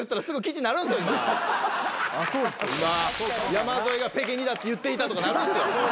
山添がペケニダって言っていたとかなるんすよ。